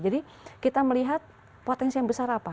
jadi kita melihat potensi yang besar apa